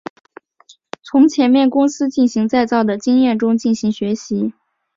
从前面公司进行再造的经验中进行学习。